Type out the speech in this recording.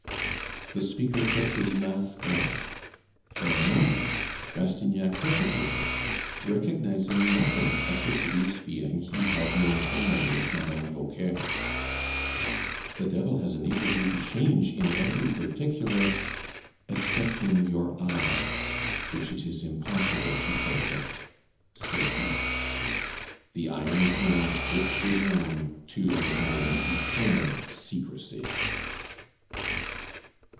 The speaker took his mask off; for a moment Rastignac hesitated, recognizing nothing of the hideous being he had known formerly at Madame Vauquer's. "The devil has enabled you to change in every particular, excepting your eyes, which it is impossible to forget," said he. The iron hand gripped his arm to enjoin eternal secrecy.